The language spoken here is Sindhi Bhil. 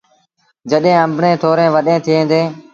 جڏهيݩ آݩبڙيٚن ٿوريٚݩ وڏيݩ ٿئيٚݩ ديٚݩ۔